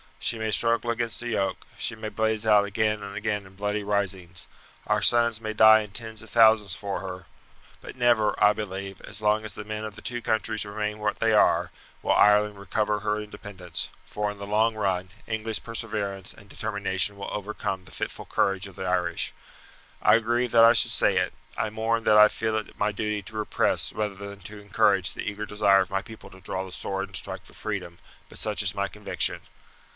She may struggle against the yoke, she may blaze out again and again in bloody risings, our sons may die in tens of thousands for her; but never, I believe, as long as the men of the two countries remain what they are, will Ireland recover her independence, for, in the long run, English perseverance and determination will overcome the fitful courage of the Irish. I grieve that I should say it. I mourn that I feel it my duty to repress rather than to encourage the eager desire of my people to draw the sword and strike for freedom; but such is my conviction.